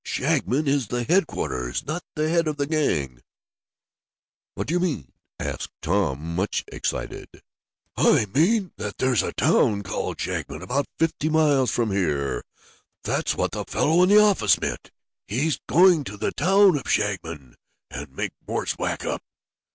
Shagmon is the headquarters, not the head of the gang!" "What do you mean?" asked Tom, much excited. "I mean that there's a town called Shagmon about fifty miles from here. That's what the fellow in the office meant. He is going to the town of Shagmon and make Morse whack up.